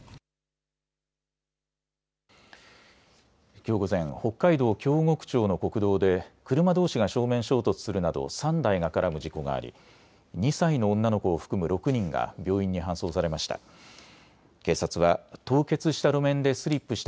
きょう午前、北海道京極町の国道で車どうしが正面衝突するなど３台が絡む事故があり２歳の女の子を含む６人が病院に搬送されました。